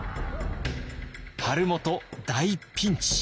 晴元大ピンチ！